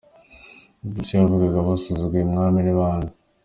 Ubwo se abo yavugaga basuzuguye umwami ni bande?